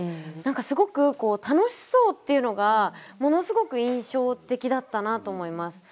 すごく楽しそうっていうのがものすごく印象的だったなと思います。